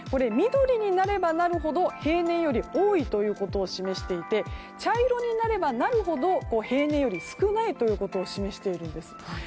緑になればなるほど平年より多いということを示していて茶色になればなるほど平年より少ないということを示しているんです。